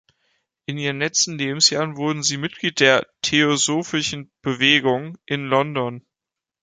In ihren letzten Lebensjahren wurde sie Mitglied der "theosophischen Bewegung" in London.